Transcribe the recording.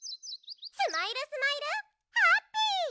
スマイルスマイルハッピー！